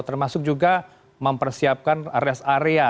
termasuk juga mempersiapkan rest area